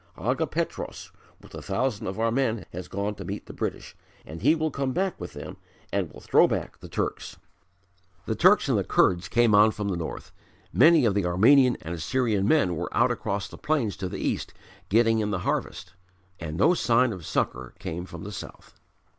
"Agha Petros with a thousand of our men has gone to meet the British and he will come back with them and will throw back the Turks." The Turks and the Kurds came on from the north; many of the Armenian and Assyrian men were out across the plains to the east getting in the harvest; and no sign of succour came from the south.